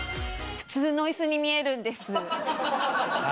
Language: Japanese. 普通の椅子に見えるんです。